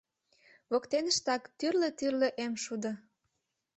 Воктеныштак — тӱрлӧ-тӱрлӧ эм шудо.